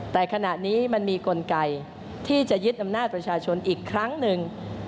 แต่ขณะนี้มันมีกลไกที่จะยึดอำนาจประชาชนอีกครั้งหนึ่ง